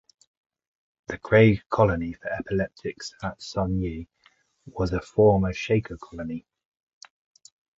The Craig Colony for Epileptics at Sonyea was a former Shaker colony.